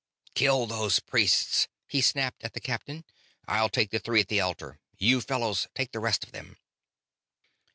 "Kill those priests!" he snapped at the captain. "I'll take the three at the altar you fellows take the rest of them!"